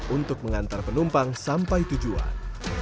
untuk mengantar penumpang sampai tujuan